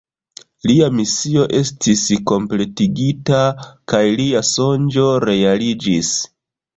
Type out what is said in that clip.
Lia misio estis kompletigita kaj lia sonĝo realiĝis.